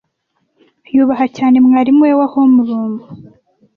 Yubaha cyane mwarimu we wa homeroom.